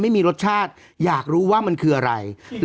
ไม่มีรสชาติอยากรู้ว่ามันคืออะไร